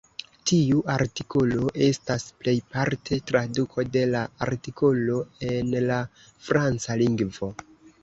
Tiu artikolo estas plejparte traduko de la artikolo en la franca lingvo.